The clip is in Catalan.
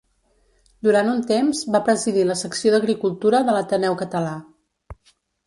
Durant un temps va presidir la secció d'agricultura de l'Ateneu Català.